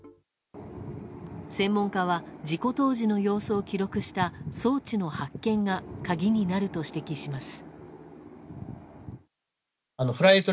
専門家は事故当時の様子を記録した装置の発見が鍵になると指摘します。